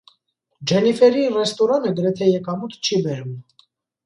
Ջենիֆերի ռեստորանը գրեթե եկամուտ չի բերում։